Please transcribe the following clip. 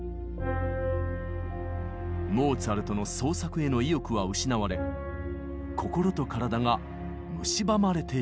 モーツァルトの創作への意欲は失われ心と体がむしばまれていきました。